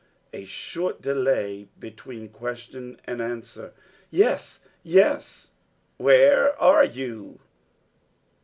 A short delay between question and answer. "Yes yes." .......... "Where are you?"